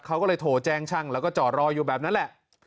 เขาก็เลยโทรแจ้งช่างแล้วก็จอดรออยู่แบบนั้นแหละ